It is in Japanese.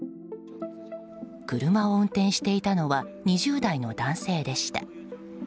車を運転していたのは２０代の男性でした。